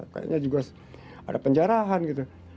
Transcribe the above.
kayaknya juga ada penjarahan gitu